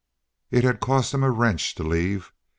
It had cost him a wrench to leave.